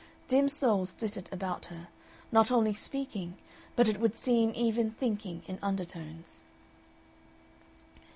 Dim souls flitted about her, not only speaking but it would seem even thinking in undertones....